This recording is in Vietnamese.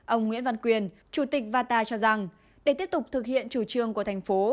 ông nguyễn văn quyền chủ tịch vata cho rằng để tiếp tục thực hiện chủ trương của thành phố